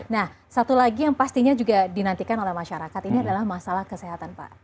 nah satu lagi yang pastinya juga dinantikan oleh masyarakat ini adalah masalah kesehatan pak